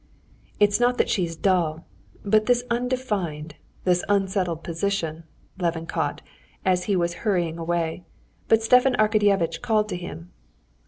"It's not that she's dull; but this undefined, this unsettled position," Levin caught, and he was hurrying away, but Stepan Arkadyevitch called to him.